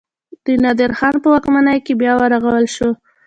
د نادر خان په واکمنۍ کې بیا ورغول شو.